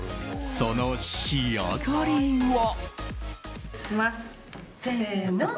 その仕上がりは。